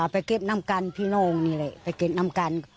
ไปเก็บน้ำกันคืนไหนเนี่ยเลยไปเก็บน้ำกัน